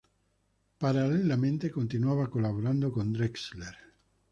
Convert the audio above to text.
Paralelamente, continuaba colaborando con Drexler.